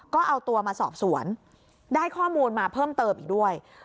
ก็เอาตัวมาสอบสวนได้ข้อมูลมาเพิ่มเติมอีกด้วย